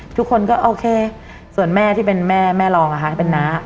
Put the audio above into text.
ทุกคนก็โอเคส่วนแม่ที่เป็นแม่แม่รองที่เป็นน้า